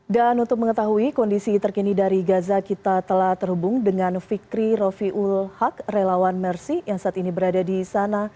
untuk mengetahui kondisi terkini dari gaza kita telah terhubung dengan fikri rofiul haq relawan mersi yang saat ini berada di sana